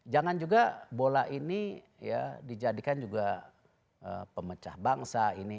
jangan juga bola ini dijadikan juga pemecah bangsa ini